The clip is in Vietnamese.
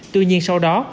tuy nhiên sau đó